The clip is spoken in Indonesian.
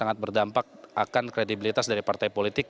sangat berdampak akan kredibilitas dari partai politik